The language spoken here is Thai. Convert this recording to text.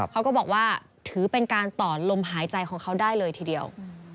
เขาก็บอกว่าถือเป็นการต่อลมหายใจของเขาได้เลยทีเดียว